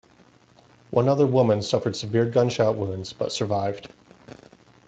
One other woman suffered severe gunshot wounds, but survived.